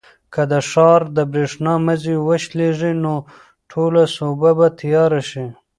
که د ښار د برېښنا مزي وشلېږي نو ټوله سوبه به تیاره شي.